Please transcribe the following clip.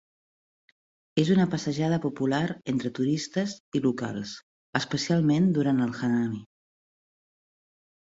És una passejada popular entre turistes i locals, especialment durant el hanami.